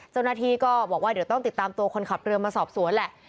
เจ้าหน้าที่ก็บอกว่าเดี๋ยวต้องติดตามตัวคนขับเรือมาสอบสวนแหละ